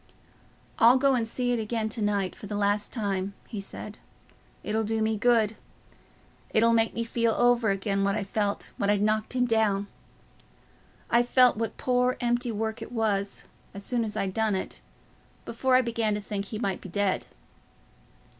"I'll go and see it again to night for the last time," he said; "it'll do me good; it'll make me feel over again what I felt when I'd knocked him down. I felt what poor empty work it was, as soon as I'd done it, before I began to think he might be dead."